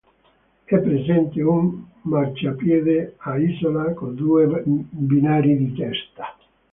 È presente un marciapiede a isola con due binari di testa.